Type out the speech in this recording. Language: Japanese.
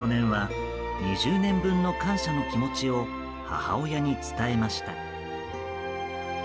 この日、Ａ少年は２０年分の感謝の気持ちを母親に伝えました。